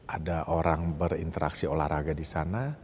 ada orang berinteraksi olahraga di sana